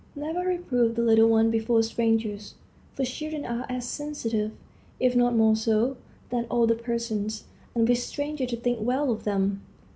Never reprove the little ones before strangers; for children are as sensitive, if not more so, than older persons, and wish strangers to think well of them.